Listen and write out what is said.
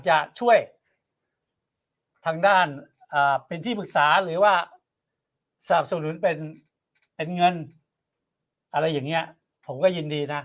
จะช่วยทางด้านเป็นที่ปรึกษาหรือว่าสนับสนุนเป็นเงินอะไรอย่างนี้ผมก็ยินดีนะ